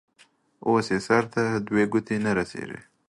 اوس يې سر ته دوې گوتي نه رسېږي.